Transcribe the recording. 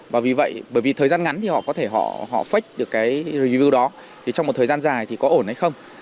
và vì vậy bởi vì thời gian ngắn thì họ có thể họ phách được cái review đó thì trong một thời gian dài thì có ổn hay không